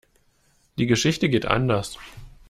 Die Geschichte geht anders.